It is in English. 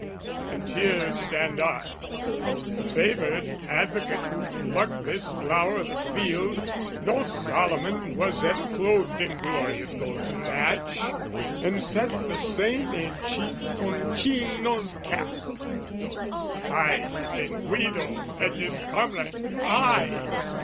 And here stand I, the favoured advocate, Who pluck this flower o' the field, no Solomon Was ever clothed in glorious gold to match, And set the same in Cinoncino's cap! I defend Guido and his comrades I!